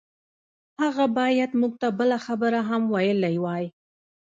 هغه بايد موږ ته بله خبره هم ويلي وای.